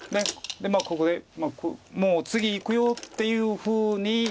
ここで「もう次いくよ」っていうふうに。